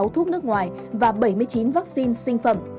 tám trăm linh sáu thuốc nước ngoài và bảy mươi chín vaccine sinh phẩm